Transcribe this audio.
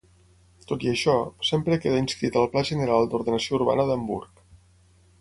Tot i això, sempre queda inscrit al Pla General d'Ordenació Urbana d'Hamburg.